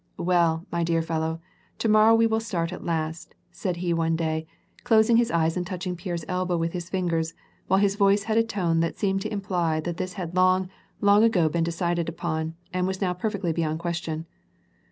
* "Well, ray dear fellow, to morrow we will start at last," said he one day, closing his eyes and touching Pierre's elbow with his fingers, while his voice had a tone that seemed to imply that this had long, long ago been decided upon and was now perfectly beyond question.